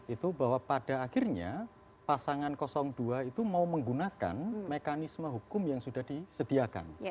itu bahwa pada akhirnya pasangan dua itu mau menggunakan mekanisme hukum yang sudah disediakan